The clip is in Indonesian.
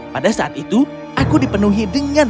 pada saat itu aku dipenuhi dengan